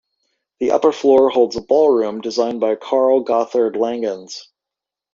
The upper floor holds a ballroom designed by Carl Gotthard Langhans.